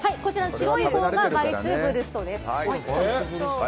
白いほうがヴァイスブルストです。